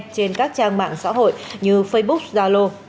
trên các trang mạng xã hội như facebook zalo